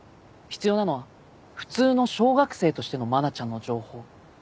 必要なのは普通の小学生としての愛菜ちゃんの情報。